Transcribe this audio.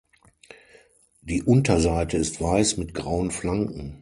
Die Unterseite ist weiß mit grauen Flanken.